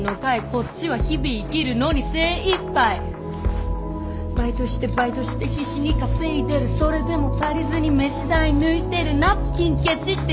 こっちは日々生きるのに精いっぱいバイトしてバイトして必死に稼いでるそれでも足りずに飯代抜いてるナプキンケチって